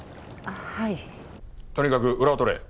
とにかく裏を取れ。